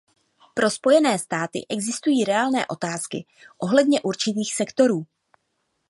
Pro Spojené státy existují reálné otázky ohledně určitých sektorů.